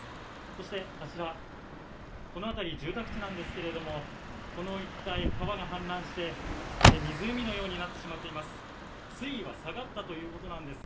そしてあちら、この辺り住宅地なんですけれどもこの一帯川が氾濫して湖のようになってしまっています